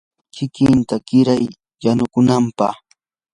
kinkita quriyay yanukunapaq.